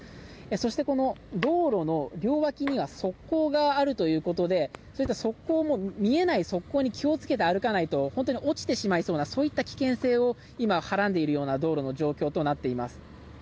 そして、この道路の両脇には側溝があるということで見えない側溝に気をつけて歩かないと本当に落ちてしまいそうな危険性をはらんでいるような今の道路の状況となっています。